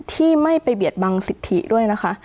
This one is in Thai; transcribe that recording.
ที่ไม่ไปเบียดบังสิทธิด้วยนะคะ